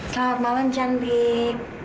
selamat malam cantik